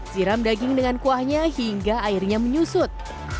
siram daging dengan kuahnya hingga airnya menyusut